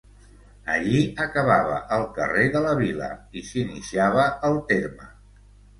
Allí acabava el carrer de la Vila i s'iniciava el terme.